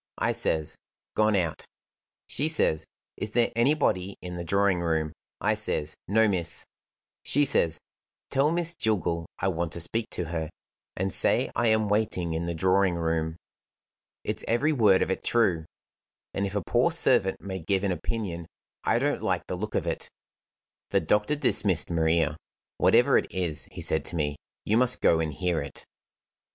I says: 'Gone out.' She says: 'Is there anybody in the drawing room?' I says: 'No, miss.' She says: 'Tell Miss Jillgall I want to speak to her, and say I am waiting in the drawing room.' It's every word of it true! And, if a poor servant may give an opinion, I don't like the look of it." The doctor dismissed Maria. "Whatever it is," he said to me, "you must go and hear it."